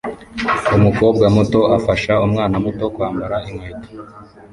Umukobwa muto afasha umwana muto kwambara inkweto